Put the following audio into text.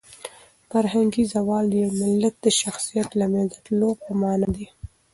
فرهنګي زوال د یو ملت د شخصیت د لمنځه تلو په مانا دی.